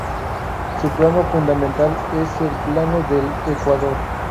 Su plano fundamental es el plano del ecuador.